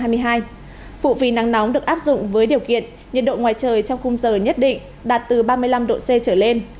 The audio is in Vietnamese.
phụ phí nắng nóng được áp dụng với điều kiện nhiệt độ ngoài trời trong khung giờ nhất định đạt từ ba mươi năm độ c trở lên